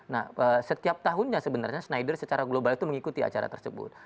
nah setiap tahunnya sebenarnya snider secara global itu mengikuti acara tersebut